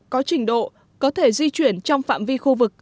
có trình độ có thể di chuyển trong phạm vi khu vực